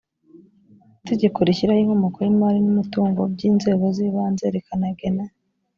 itegeko rishyiraho inkomoko y imari n umutungo by inzego z ibanze rikanagena